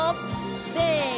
せの！